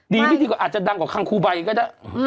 ไม่ดีกว่าอาจจะดังกว่าคังครูใบก็ได้